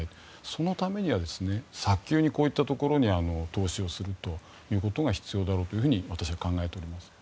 そのためには早急にこういったところに投資をするのが必要だと私は考えております。